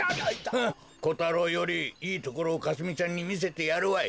フッコタロウよりいいところをかすみちゃんにみせてやるわい。